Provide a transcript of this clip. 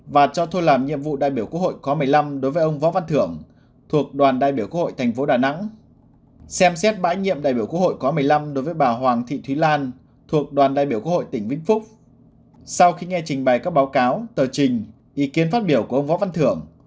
và cho thôi làm nhiệm vụ đại biểu quốc hội khóa một mươi năm đối với ông võ văn thưởng thuộc đoàn đại biểu quốc hội thành phố đà nẵng